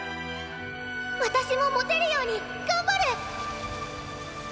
私も持てるように頑張る！